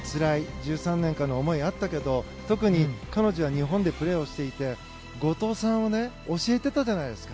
１３年間の思いあったけど特に彼女は日本でプレーをしていて後藤さんを教えてたじゃないですか。